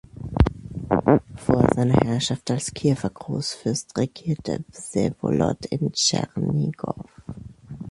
Vor seiner Herrschaft als Kiewer Großfürst regierte Wsewolod in Tschernigow.